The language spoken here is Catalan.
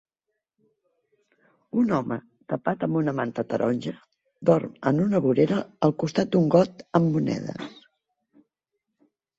Un home, tapat amb una manta taronja, dorm en una vorera al costat d'un got amb monedes